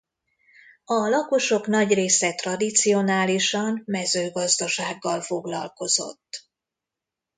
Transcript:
A lakosok nagy része tradicionálisan mezőgazdasággal foglalkozott.